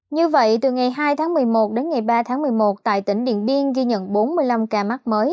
như vậy từ ngày hai tháng một mươi một đến ngày ba tháng một mươi một tại tỉnh điện biên ghi nhận bốn mươi năm ca mắc mới